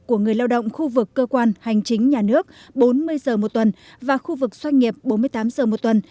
của người lao động khu vực cơ quan hành chính nhà nước bốn mươi giờ một tuần và khu vực doanh nghiệp bốn mươi tám giờ một tuần